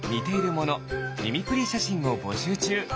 ミミクリーしゃしんをぼしゅうちゅう。